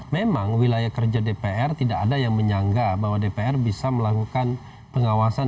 memang wilayah kerja dpr tidak ada yang menyangga bahwa dpr bisa melakukan pengawasan